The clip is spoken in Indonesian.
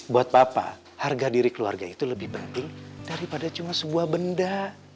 buat papa harga diri keluarga itu lebih penting daripada cuma sebuah benda